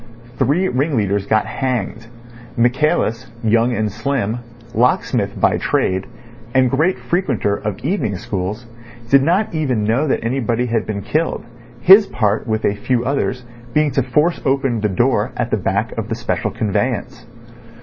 Three ring leaders got hanged. Michaelis, young and slim, locksmith by trade, and great frequenter of evening schools, did not even know that anybody had been killed, his part with a few others being to force open the door at the back of the special conveyance.